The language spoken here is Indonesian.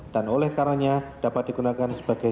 dan oleh karanya dapat digunakan sebagai